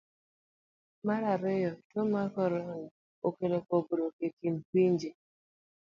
Mar ariyo, tuo mar korona, okelo pogruok e kind pinje.